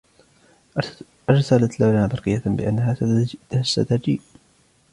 أرسلت لنا برقيةً بأنها ستجيء.